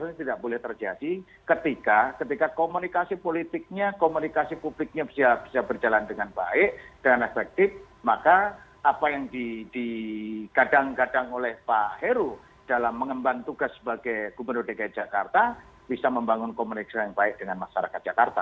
jalur sepeda itu apakah yang dilakukan oleh pak eruh salah tidak